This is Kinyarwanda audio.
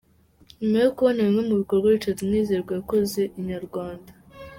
Nyuma yo kubona bimwe mu bikorwa Richard Mwizerwa yakoze, Inyarwanda.